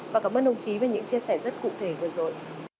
và cảm ơn đồng chí về những chia sẻ rất cụ thể vừa rồi